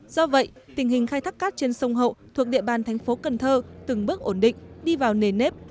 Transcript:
do vậy tình hình khai thác cát trên sông hậu thuộc địa bàn tp cn từng bước ổn định đi vào nền nếp